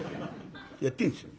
やってんですよ。